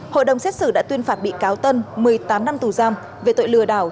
hội đồng xét xử đã tuyên phạt bị cáo tân một mươi tám năm tù giam về tội lừa đảo